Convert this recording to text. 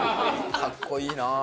かっこいいなあ。